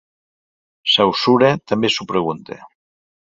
Saussure també s'ho pregunta.